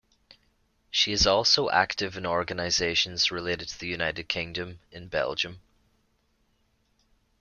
She is also active in organisations related to the United Kingdom in Belgium.